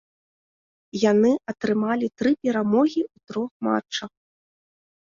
Яны атрымалі тры перамогі ў трох матчах.